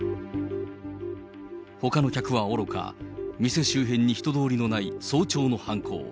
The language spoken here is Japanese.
ほかの客はおろか、店周辺に人通りのない早朝の犯行。